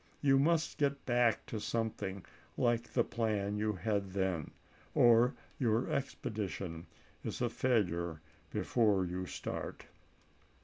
You must get back to something like the plan you had then, or your ex pedition is a failure before you start.